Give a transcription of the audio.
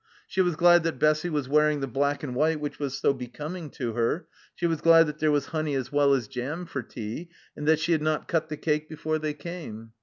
She was glad that Bessie was wearing the black and white which was so becoming to her. She was glad that there was honey as well as jam for tea, and that she had not cut the cake before they came.